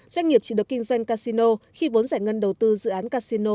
doanh nghiệp chỉ được kinh doanh casino khi vốn giải ngân đầu tư dự án casino